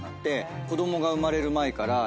子供が生まれる前からやって。